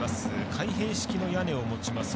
開閉式の屋根を持ちます